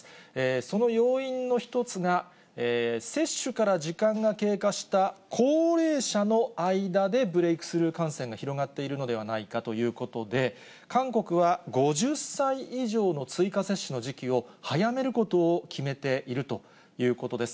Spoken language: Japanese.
その要因の一つが、接種から時間が経過した高齢者の間でブレイクスルー感染が広がっているのではないかということで、韓国は５０歳以上の追加接種の時期を早めることを決めているということです。